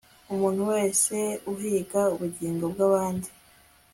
umuntu wese uhiga ubugingo bwabandi